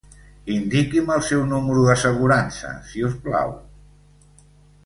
Indiqui'm el seu número d'assegurança si us plau.